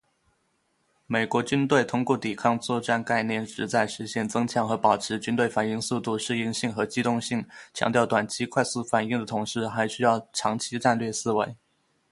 美国军队通过“抵抗作战概念”旨在实现“增强和保持军队反应速度、适应性和机动性，强调短期快速反应的同时，还需要长期战略思维。”